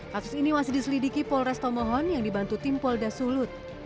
katus ini masih diselidiki polres tomohon yang dibantu tim pol das sulut